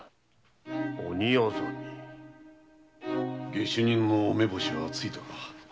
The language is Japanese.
下手人の目星はついたか？